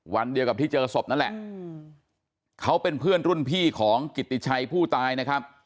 วันเดียวกับที่เจอศพนั่นแหละเขาเป็นเพื่อนรุ่นพี่ของกิติชัยผู้ตายนะครับ